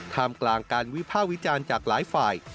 มกลางการวิภาควิจารณ์จากหลายฝ่าย